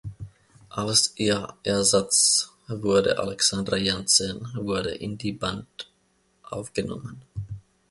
Als ihr Ersatz wurde Alexandra Janzen wurde in die Band aufgenommen.